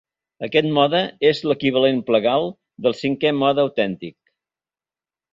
Aquest mode és l'equivalent plagal del cinquè mode autèntic.